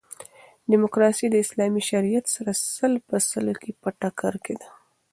ډیموکاسي د اسلامي شریعت سره سل په سلو کښي په ټکر کښي ده.